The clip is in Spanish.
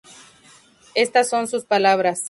Estas son sus palabras.